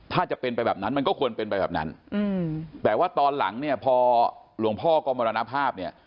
ถ้าจะเป็นไปแบบนั้นมันก็ควรเป็นไปแบบนั้นแต่ว่าตอนหลังเนี่ยพอหลวงพ่อก็มรณภาพเนี่ย